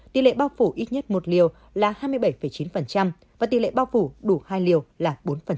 tỷ lệ bao phủ ít nhất một liều là hai mươi bảy chín và tỷ lệ bao phủ đủ hai liều là bốn